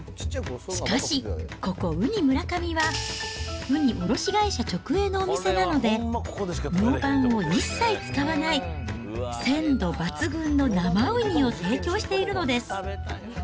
しかし、ここ、うにむらかみはウニ卸会社直営のお店なので、ミョウバンを一切使わない、鮮度抜群の生ウニを提供しているのです。